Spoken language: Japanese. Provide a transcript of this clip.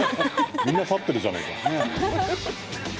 みんな立ってるじゃねえか。